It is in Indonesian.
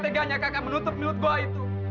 tegak teganya kakak menutup milut goa itu